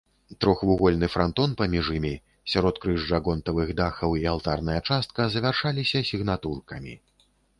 Трохвугольны франтон паміж імі, сяродкрыжжа гонтавых дахаў і алтарная частка завяршаліся сігнатуркамі.